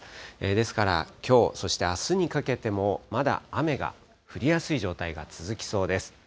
ですから、きょう、そしてあすにかけても、まだ雨が降りやすい状態が続きそうです。